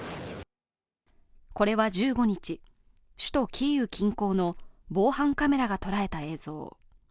これは１５日、首都キーウ近郊の防犯カメラが捉えた映像。